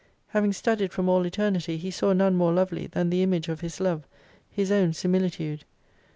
Having studied from all Eternity, He saw none more lovely than the Image of His Love, His own Similitude.